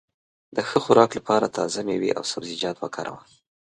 د ښه خوراک لپاره تازه مېوې او سبزيجات وکاروه.